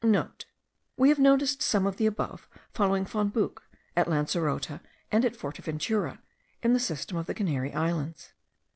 (* We have noticed some of the above, following Von Buch, at Lancerote, and at Fortaventura, in the system of the Canary Islands.